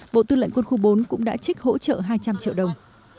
bộ tư lệnh quân khu bốn cũng đã trích hỗ trợ hai trăm linh triệu đồng